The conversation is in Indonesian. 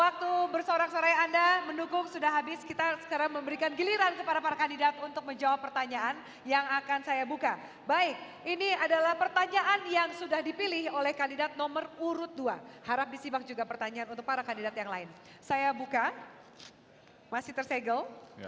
kandidat nomor urut dua harap disibang juga pertanyaan untuk para kandidat yang lain saya buka masih tersegel